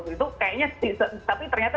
itu kayaknya tapi ternyata